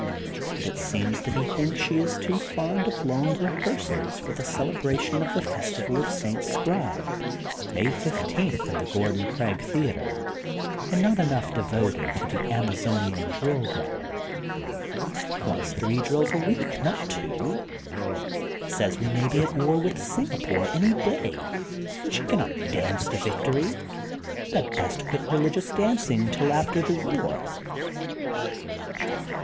And it seems that he thinks she is too fond of long rehearsals for the celebration of the festival of St. Scribe, May fifteenth in the Gordon THE GOLDEN BOOK OF SPRINGFIELD 129 Oraig Theatre, and not enongh devoted to the Amazonian drill gronnd. He wants three drills a week, not two. He says we may be at war with Singapore any day and she cannot dance to victory and had best qnit reUgious dancing, till after the war.